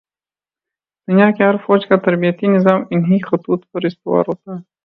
دنیا کی ہر فوج کا تربیتی نظام انہی خطوط پر استوار ہوتا ہے۔